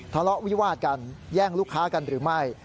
ทะเลาะวิวาดกันแย่งลูกค้ากันหรือไม่